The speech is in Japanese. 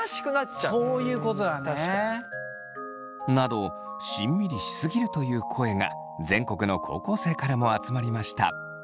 そういうことなんだね。などしんみりし過ぎるという声が全国の高校生からも集まりました。